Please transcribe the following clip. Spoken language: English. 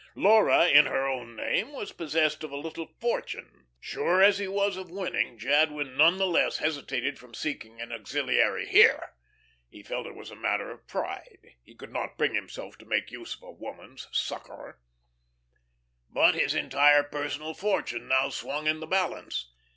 Laura, in her own name, was possessed of a little fortune; sure as he was of winning, Jadwin none the less hesitated from seeking an auxiliary here. He felt it was a matter of pride. He could not bring himself to make use of a woman's succour. But his entire personal fortune now swung in the balance.